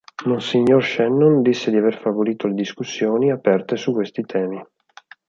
Monsignor Shannon disse di aver favorito le discussioni aperte su questi temi.